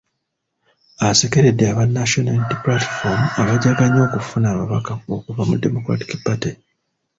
Asekeredde aba National Unity Platform abajaganya okufuna ababaka okuva mu Democratic Party.